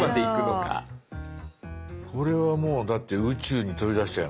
これはもうだって宇宙に飛び出しちゃいますよ。